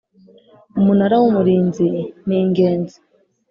Umunara w’ Umurinzi ningenzi.